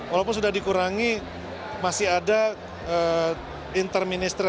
walaupun sudah dikurangi masih ada interminister